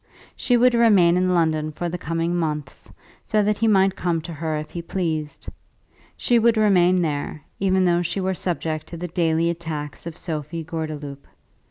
She would remain in London for the coming months, so that he might come to her if he pleased. She would remain there, even though she were subject to the daily attacks of Sophie Gordeloup.